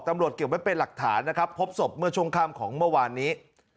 เก็บไว้เป็นหลักฐานนะครับพบศพเมื่อช่วงค่ำของเมื่อวานนี้